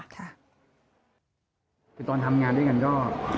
คือตอนทำงานด้วยกันก็